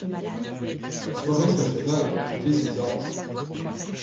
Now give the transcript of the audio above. La soirée s’acheva à compléter ces arrangements.